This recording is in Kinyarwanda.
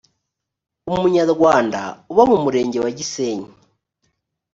umunyarwanda uba mu murenge wa gisenyi